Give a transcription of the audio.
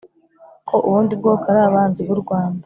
ko ubundi bwoko ari abanzi b'u rwanda